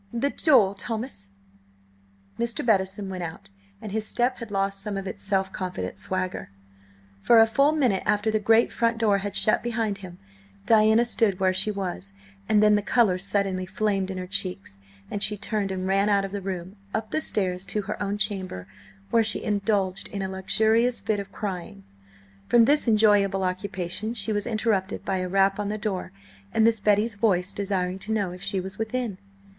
"The door, Thomas!" Mr. Bettison went out, and his step had lost some of its self confident swagger. For a full minute after the great front door had shut behind him, Diana stood where she was, and then the colour suddenly flamed in her cheeks, and she turned and ran out of the room, up the stairs, to her own chamber, where she indulged in a luxurious fit of crying. From this enjoyable occupation she was interrupted by a rap on the door, and Miss Betty's voice desiring to know if she was within.